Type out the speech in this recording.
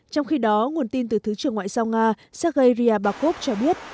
trong khi đó nguồn tin từ thứ trưởng ngoại giao nga sergei ryabakov cho biết